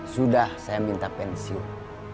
sudah saya minta pensiun